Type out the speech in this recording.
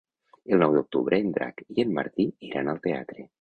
El nou d'octubre en Drac i en Martí iran al teatre.